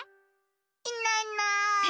いないいない。